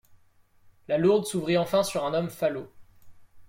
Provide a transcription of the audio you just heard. La lourde s’ouvrit enfin sur un homme falot.